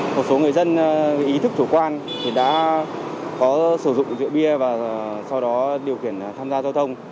một số người dân ý thức chủ quan thì đã có sử dụng rượu bia và sau đó điều khiển tham gia giao thông